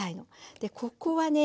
でここはね